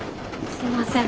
すいません。